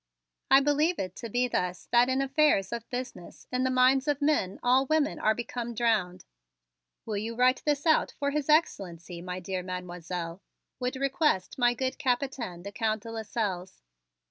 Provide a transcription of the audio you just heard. I believe it to be thus that in affairs of business, in the minds of men all women are become drowned. "Will you write this out for His Excellency, my dear Mademoiselle?" would request my good Capitaine, the Count de Lasselles.